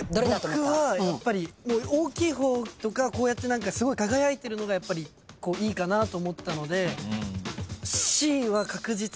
僕はやっぱり大きい方とかこうやってすごい輝いてるのがいいかなと思ったので。